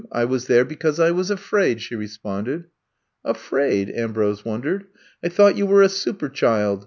I was there because 1 was afraid,'* she responded. Afraid?" Ambrose wondered. I thought you were a super child.